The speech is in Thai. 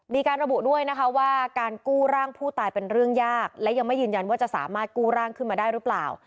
มีการระบุด้วยนะคะว่าการกู้ร่างผู้ตายเป็นเรื่องยากและยังไม่ยืนยันว่าจะสามารถกู้ร่างขึ้นมาได้หรือเปล่า